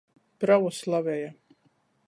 Pravoslaveja.